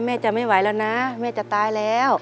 จะไม่ไหวแล้วนะแม่จะตายแล้ว